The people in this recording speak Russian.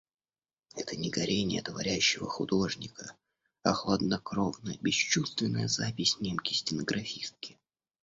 Это не горение творящего художника, а хладнокровная, бесчувственная запись немки-стенографистки.